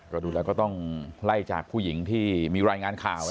ก็ดูแล้วก็ต้องไล่จากผู้หญิงที่มีรายงานข่าว